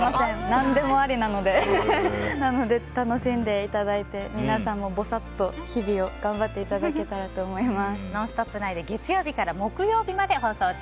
何でもありなのでなので、楽しんでいただいて皆さんも、ぼさっと日々を頑張っていただけたらと思います。